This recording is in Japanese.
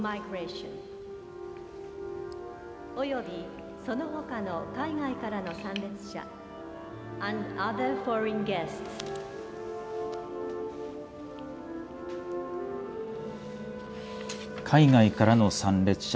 およびそのほかの海外からの参列者。